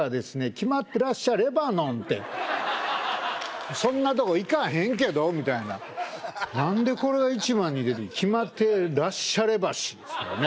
「決まってらっしゃレバノン」ってそんなとこ行かへんけどみたいな何でこれが一番に出て「決まってらっしゃれ橋」ですからね